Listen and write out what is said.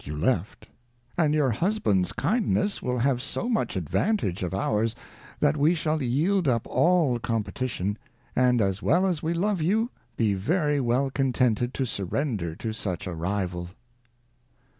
you left ; and your Husband's Kindness will have so much advantage of ours, that we shall yield up all Competition, and as well as we love you, be very well contented to Surrender to such a Rival.'